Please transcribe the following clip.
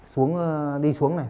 xuống đi xuống này